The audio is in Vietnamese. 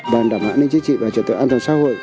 bàn đảm bảo an ninh chính trị và trật tự an toàn xã hội